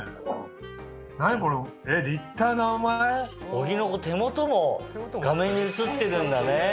小木の手元も画面に映ってるんだね。